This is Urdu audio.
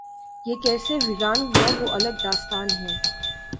یہ کیسے ویران ہوا وہ الگ داستان ہے۔